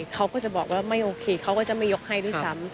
เขาก็จะบอกว่าไม่โอเคเขาก็จะไม่ยกให้ด้วยซ้ำ